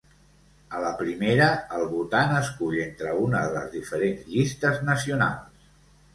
A la primera el votant escull entre una de les diferents llistes nacionals.